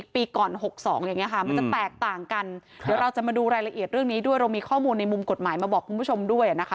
ปีก่อน๖๒อย่างนี้ค่ะมันจะแตกต่างกันเดี๋ยวเราจะมาดูรายละเอียดเรื่องนี้ด้วยเรามีข้อมูลในมุมกฎหมายมาบอกคุณผู้ชมด้วยนะคะ